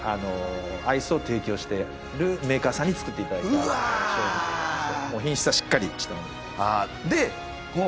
アイスを提供してるメーカーさんに作っていただいた商品でございまして品質はしっかり。